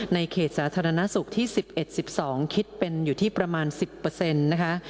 เขตสาธารณสุขที่๑๑๑๒คิดเป็นอยู่ที่ประมาณ๑๐นะคะ